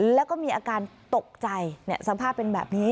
แล้วก็มีอาการตกใจสภาพเป็นแบบนี้